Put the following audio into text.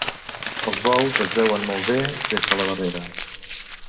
Els bous es veuen molt bé des de la barrera.